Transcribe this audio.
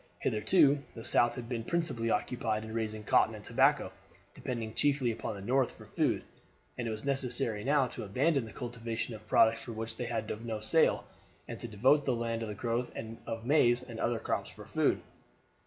Hitherto the South had been principally occupied in raising cotton and tobacco, depending chiefly upon the North for food; and it was necessary now to abandon the cultivation of products for which they had no sale, and to devote the land to the growth of maize and other crops for food.